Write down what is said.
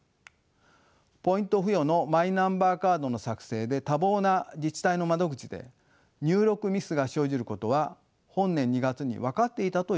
ポイント付与のマイナンバーカードの作成で多忙な自治体の窓口で入力ミスが生じることは本年２月に分かっていたということです。